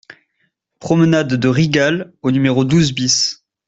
Promenade de Rigal au numéro douze BIS